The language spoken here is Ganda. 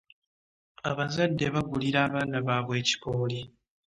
Abazadde bagulira abaana babwe ekipooli.